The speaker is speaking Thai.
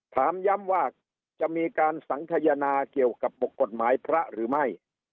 ถามย้ำว่าจะมีการสังขยนาเกี่ยวกับบุคคลพระหรือไม่